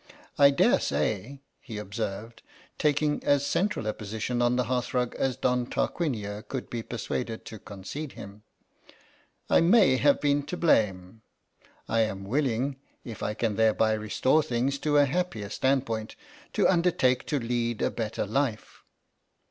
" I dare say," he observed, taking as central a position on the hearth rug as Don Tarquinio could be persuaded to concede him, " I may have been to blame. I am willing, if I can thereby restore things to a happier standpoint, to undertake to lead a better life."